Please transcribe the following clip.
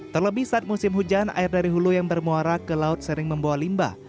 terlebih saat musim hujan air dari hulu yang bermuara ke laut sering membawa limbah